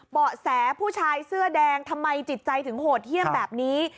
เบาะแสผู้ชายเสื้อแดงทำไมจิตใจถึงโหดเยี่ยมแบบนี้